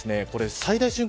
最大瞬間